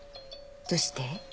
どうして？